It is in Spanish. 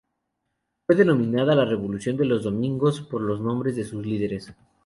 Fue denominada la Revolución de los Domingos, por los nombres de sus líderes.